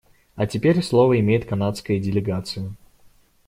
А теперь слово имеет канадская делегация.